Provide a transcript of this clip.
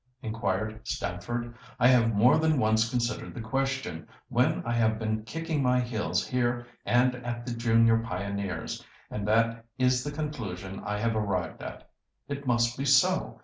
inquired Stamford. "I have more than once considered the question when I have been kicking my heels here and at the Junior Pioneers, and that is the conclusion I have arrived at. It must be so.